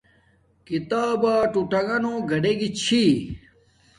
کتاب با ٹوٹانݣوں گاڈیگی چھی